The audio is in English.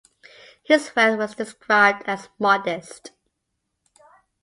His wealth was described as modest.